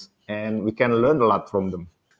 dan kita bisa belajar banyak dari mereka